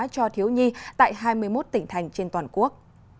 cho thiếu nhi tại hai mươi một tỉnh thành trên toàn quốc